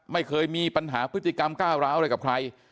ไม่เคยมีปัญหาพฤติกรรมก้าวร้าวอะไรกับใคร